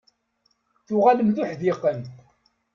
Tuɣalem d uḥdiqen.